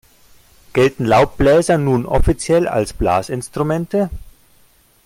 Gelten Laubbläser nun offiziell als Blasinstrumente?